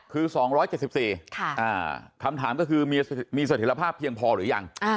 คือ๒๗๔ค่ะอ่าข้ามถามก็คือมีสถิฤทธิภาพเพียงพอหรือยัง